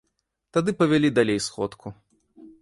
Тады павялі далей сходку.